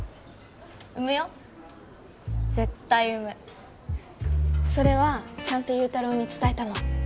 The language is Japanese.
産むよ絶対産むそれはちゃんと祐太郎に伝えたの？